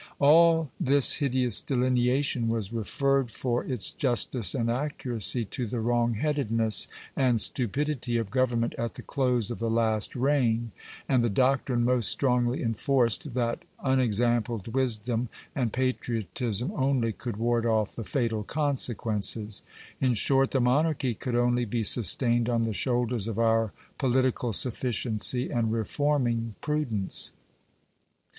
All this hideous delineation was referred for its justice and accuracy to the wrongheadedness and stupidity of government at the close of the last reign, and the doctrine most strongly enforced, that unexampled wisdom and patriotism oily could ward off the fatal consequences. In short, the monarchy could only b « sustained on the shoulders of our political sufficiency and reforming prudence.